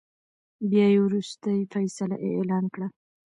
بيا يې ورورستۍ فيصله اعلان کړه .